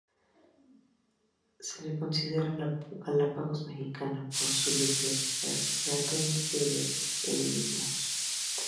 Se le considera la Galápagos mexicana por su biodiversidad y alto índice de endemismos.